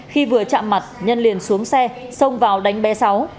khi vừa chạm mặt nhân liền xuống xe xông vào đánh b sáu